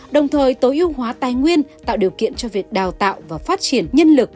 đồng thời tối ưu hóa tài nguyên tạo điều kiện cho việc đào tạo và phát triển nhân lực